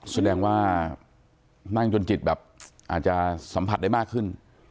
แสดงว่านั่งจนจิตแบบอาจจะสัมผัสได้มากขึ้น